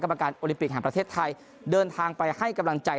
กรระกรานโอลิปิคหาประเทชไทยเดินทางไปให้กำลังใจ